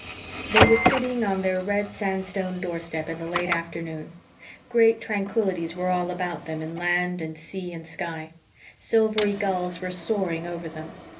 They were sitting on their red sand stone doorstep in the late afternoon. Great tranquillities were all about them in land and sea and sky. Silvery gulls were soaring over them.